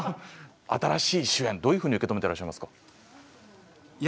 新しい主演どういうふうに受け止めてらっしゃいますか？